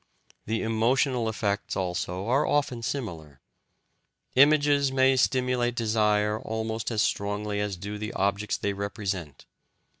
The emotional effects, also, are often similar: images may stimulate desire almost as strongly as do the objects they represent.